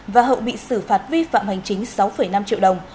và hậu bị xử phạt vi phạm hành chính sáu năm triệu đồng